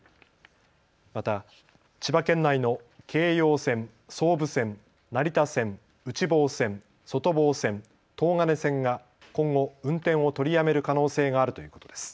また千葉県内の京葉線、総武線、成田線、内房線、外房線、東金線が今後、運転を取りやめる可能性があるということです。